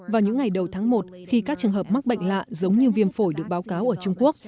vào những ngày đầu tháng một khi các trường hợp mắc bệnh lạ giống như viêm phổi được báo cáo ở trung quốc